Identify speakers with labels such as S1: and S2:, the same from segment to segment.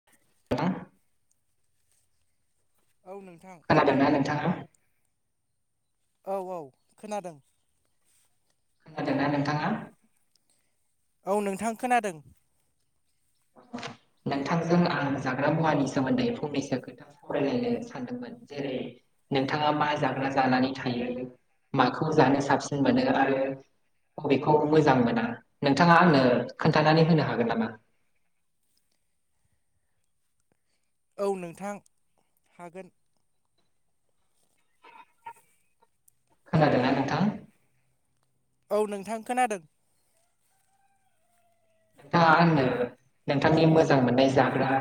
S1: [unintelligible]
S2: औ नोंथां।
S1: खोनादोंना नोंथाङा?
S2: औ औ खोनादों।
S1: खोनादोंना नोंथाङा?
S2: औ नोंथां खोनादों।
S1: नोंथांजों आं जाग्रा मुवानि सोमोन्दै फंनैसो खोथा फरायलायनो सानदोंमोन जेरै नोंथाङा मा जाग्रा जानानै थायो। माखौ जानो साबसिन मोनो आरो अबेेखौ मोजां मोना नोंथाङा आंनो खोन्थानानै होनो हागोन नामा?
S2: औ नोंथां हागोन।
S1: खोनादोंना नोंथां?
S2: औ नोंथां खोनादों।
S1: नोंथाङा आंनो नोंथांनि मोजां मोननाय जाग्रा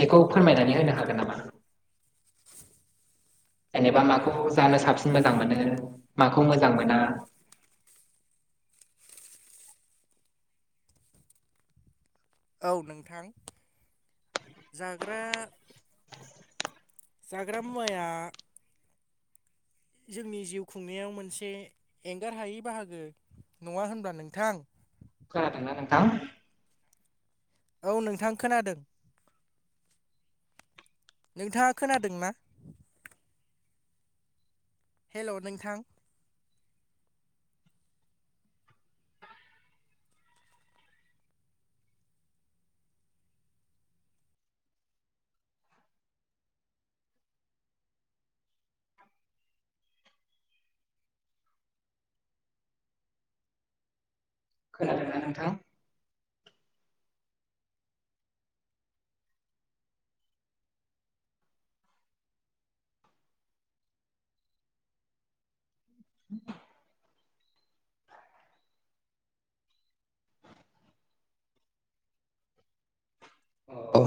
S1: बेखौ फोरमायनानै होनो हागोन नामा? जेनेबा माखौ जानो साबसिन मोजां मोनो माखौ मोजां मोना
S2: औ नोंथां जाग्रा जाग्रा मुवाया जोंनि जिउ खुंनायाव मोनसे एंगार हायै बाहागो नङा होनबा नोंथां?
S1: खोनादोंना नोंथां?
S2: औ नोंथां खोनादों। नोंथाङा खोनादोंना? हेल' नोंथां
S1: खोनादोंना नोंथां? अ'